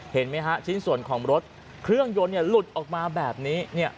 เห็นไหมฮะชิ้นส่วนของรถเครื่องยนต์หลุดออกมาแบบนี้